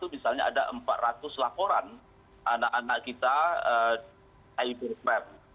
dua ribu dua puluh satu misalnya ada empat ratus laporan anak anak kita di ibu krem